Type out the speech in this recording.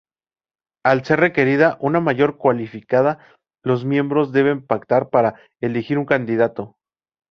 Al ser requerida una mayoría cualificada, los miembros deben pactar para elegir un candidato.